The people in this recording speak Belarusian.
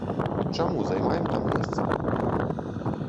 Чаму займаем там месцы?